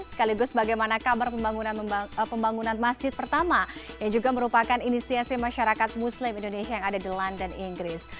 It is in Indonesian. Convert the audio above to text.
sekaligus bagaimana kabar pembangunan masjid pertama yang juga merupakan inisiasi masyarakat muslim indonesia yang ada di london inggris